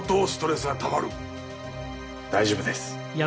大丈夫です。